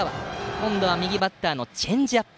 今度は右バッターのチェンジアップ。